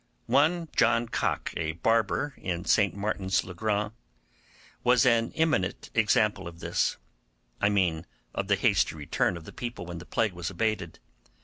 One John Cock, a barber in St Martin's le Grand, was an eminent example of this; I mean of the hasty return of the people when the plague was abated.